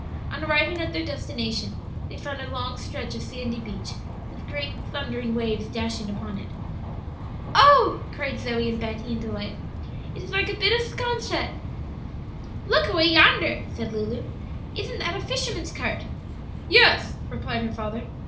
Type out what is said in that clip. On arriving at their destination, they found a long stretch of sandy beach, with great thundering waves dashing upon it. "Oh," cried Zoe and Betty, in delight, "it is like a bit of 'Sconset!" "Look away yonder," said Lulu; "isn't that a fisherman's cart?" "Yes," replied her father.